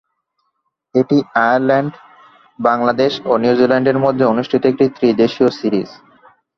এটি আয়ারল্যান্ড, বাংলাদেশ ও নিউজিল্যান্ডের মধ্যে অনুষ্ঠিত একটি ত্রিদেশীয় সিরিজ।